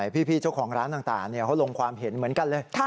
พี่เจ้าของร้านต่างเขาลงความเห็นเหมือนกันเลย